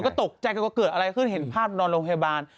ก็ตกใจกันว่าเกิดอะไรขึ้นเห็นภาพนอนโรงพยาบาล